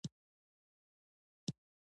غنم څنګه کرل کیږي؟